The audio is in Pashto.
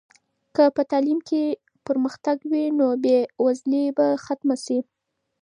که په تعلیم کې پرمختګ وي نو بې وزلي به ختمه سي.